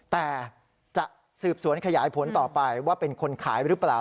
แต่จะสืบสวนขยายผลต่อไปว่าเป็นคนขายหรือเปล่า